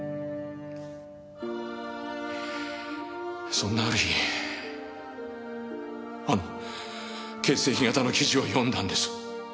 そんなある日あの血液型の記事を読んだんです。